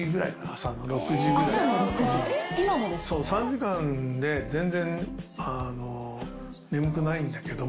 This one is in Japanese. ３時間で全然眠くないんだけども。